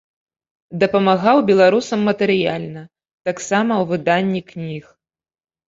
Дапамагаў беларусам матэрыяльна, таксама ў выданні кніг.